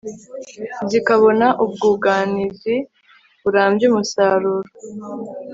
zikabona ubwunganizi burambye umusaruro